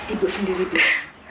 ibu sendiri ibu